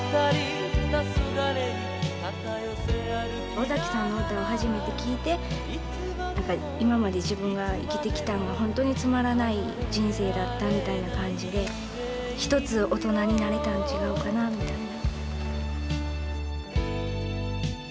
尾崎さんの歌を初めて聴いて今まで自分が生きてきたんがホントにつまらない人生だったみたいな感じで一つ大人になれたん違うかなみたいな。